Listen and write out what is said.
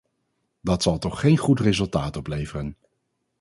Dat zal toch geen goed resultaat opleveren.